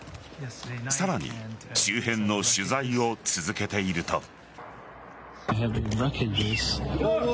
さらに周辺の取材を続けていると。